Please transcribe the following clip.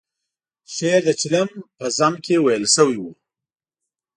شعر د چلم په ذم کې ویل شوی و.